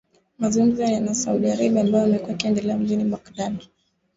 mazungumzo na Saudi Arabia ambayo yamekuwa yakiendelea mjini Baghdad